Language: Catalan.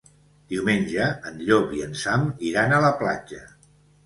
Diumenge en Llop i en Sam iran a la platja.